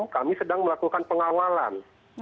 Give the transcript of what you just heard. kami sedang melakukan pengawalan